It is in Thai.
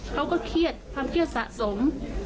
เขาก็เครียดความเครียดสะสม